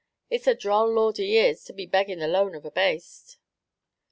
It's a droll lord he is, to be begging the loan of a baste!"